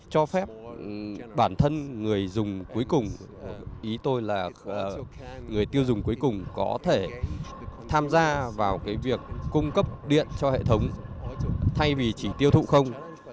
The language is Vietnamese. cho phép bản thân người dùng cuối cùng ý tôi là người tiêu dùng cuối cùng có thể tham gia vào việc cung cấp điện cho hệ thống thay vì chỉ tiêu thụ không